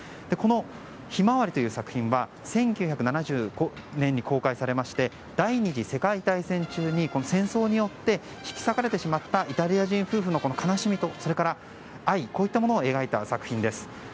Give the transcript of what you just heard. この「ひまわり」という作品は１９７０年に公開されまして第２次世界大戦中に戦争によって引き裂かれてしまったイタリア人夫婦の悲しみと愛こういったものを描いた作品です。